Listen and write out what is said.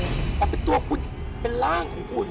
แต่เป็นตัวคุณเป็นร่างของคุณ